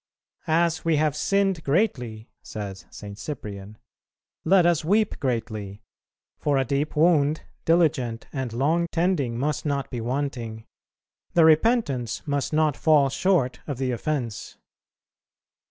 "As we have sinned greatly," says St. Cyprian, "let us weep greatly; for a deep wound diligent and long tending must not be wanting, the repentance must not fall short of the offence."